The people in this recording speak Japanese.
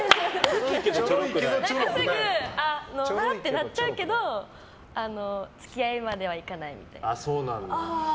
すぐ、わってなっちゃうけど付き合うまではいかないみたいな。